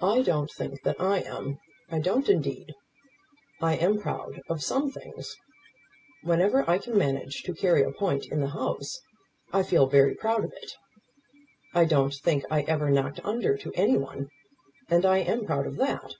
"I don't think that I am; I don't, indeed. I am proud of some things. Whenever I can manage to carry a point in the House, I feel very proud of it. I don't think I ever knocked under to any one, and I am proud of that."